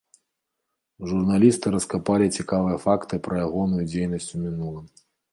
Журналісты раскапалі цікавыя факты пра ягоную дзейнасць у мінулым.